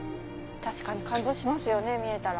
確かに感動しますよね見えたら。